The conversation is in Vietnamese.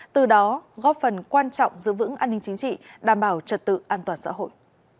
từ đó góp phần quan trọng giữ vững an ninh chính trị đảm bảo trật tự an toàn xã hội